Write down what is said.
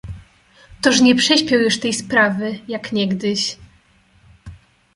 "Toż nie prześpią już tej sprawy, jak niegdyś."